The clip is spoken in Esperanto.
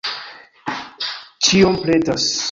Ĉiom pretas.